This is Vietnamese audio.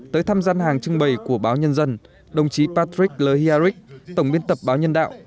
tới thăm gian hàng trưng bày của báo nhân dân đồng chí patrick le hiaric tổng biên tập báo nhân đạo